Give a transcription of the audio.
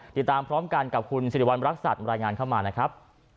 ติดตามพร้อมกันกับคุณสิริวัณรักษัตริย์รายงานเข้ามานะครับ